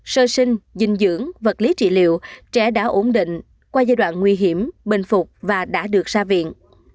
sơ sinh dưỡng vật lý trị liệu trẻ đã ổn định qua giai đoạn nguy hiểm bình phục và đã được ra viện